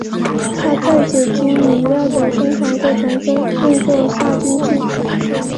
它在酒精饮料的生产过程中用作杀菌剂。